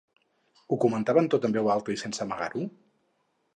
Ho comentaven tot en veu alta i sense amagar-ho?